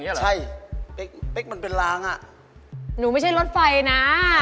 เหรอใช่เป๊กเป๊กมันเป็นล้างอ่ะหนูไม่ใช่รถไฟนะ